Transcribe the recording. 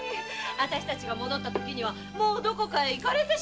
私たちが戻ったときにはもうどこかへ行かれてしまわれてたの！